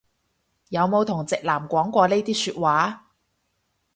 有冇同直男講過呢啲説話